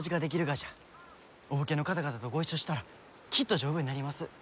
お武家の方々とご一緒したらきっと丈夫になります。